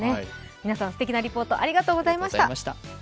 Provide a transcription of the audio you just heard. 皆さん、すてきなリポートありがとうございました。